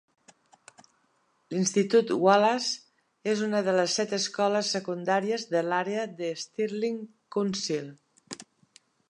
L'institut Wallace és una de les set escoles secundàries de l'àrea de Stirling Council.